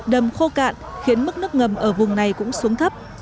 đầm khô cạn khiến mức nước ngầm ở vùng này cũng xuống thấp